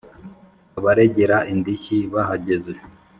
Abaregera indishyi bahageze